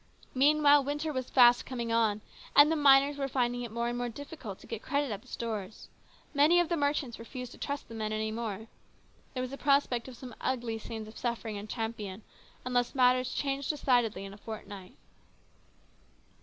Meanwhile, winter was fast coming on, and the miners were finding it more and more difficult to get credit at the stores. Many of the merchants refused to trust the men any longer. There was a prospect of some ugly scenes of suffering in Champion, unless matters changed decidedly in a fortnight. A MEMORABLE NIGHT.